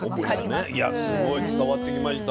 すごい伝わってきました。